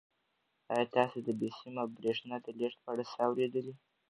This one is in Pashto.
آیا تاسو د بې سیمه بریښنا د لېږد په اړه څه اورېدلي؟